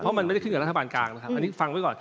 เพราะมันไม่ได้ขึ้นกับรัฐบาลกลางนะครับ